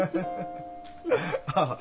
ハハハ。